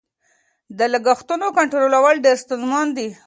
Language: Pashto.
د لګښتونو کنټرولول ډېر ستونزمن دي.